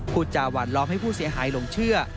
พูดจาหวานล้อมให้ผู้เสียหายหลงเชื่อ